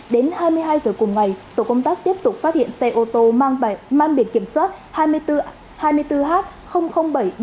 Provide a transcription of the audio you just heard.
đến hai mươi hai h cùng ngày tổ công tác tiếp tục phát hiện xe ô tô mang biển kiểm soát hai mươi bốn h bảy trăm ba mươi bốn